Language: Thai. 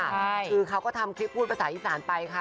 ใช่คือเขาก็ทำคลิปพูดภาษาอีสานไปค่ะ